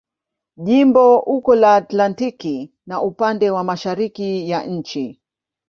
Jimbo uko la Atlantiki na upande wa mashariki ya nchi.